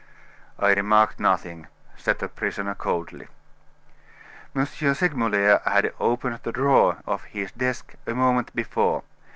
"I remarked nothing," said the prisoner coldly. M. Segmuller had opened the drawer of his desk a moment before.